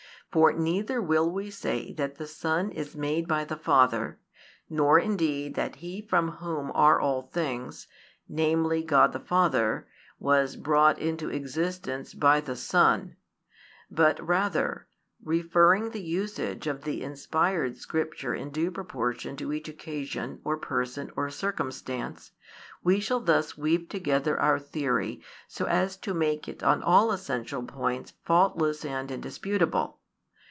For neither will we say that the Son is made by the Father, nor indeed that He from Whom are all things, namely God the Father, was brought into existence by the Son; but rather, referring the usage of the inspired Scripture in due proportion to each occasion or person or circumstance, we shall thus weave together our theory so as to make it on all essential points faultless and indisputable.